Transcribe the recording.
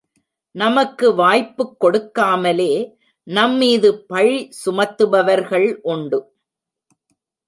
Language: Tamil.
நமக்கு வாய்ப்புக் கொடுக்காமலே நம்மீது பழி சுமத்துபவர்கள் உண்டு.